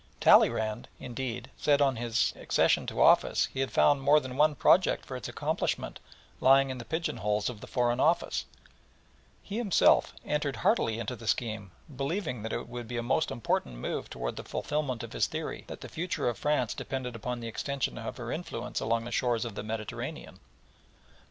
Talleyrand, indeed, said that on his accession to office, he had found more than one project for its accomplishment lying in the pigeon holes of the Foreign Office, and he himself entered heartily into the scheme, believing that it would be a most important move towards the fulfilment of his theory that the future of France depended upon the extension of her influence along the shores of the Mediterranean.